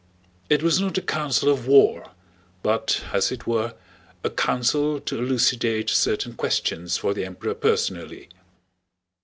It was not a council of war, but, as it were, a council to elucidate certain questions for the Emperor personally.